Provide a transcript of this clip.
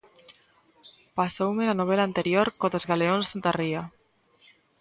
Pasoume na novela anterior co dos galeóns da ría.